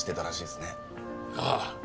ああ。